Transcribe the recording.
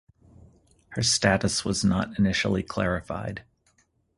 Her status was not initially clarified.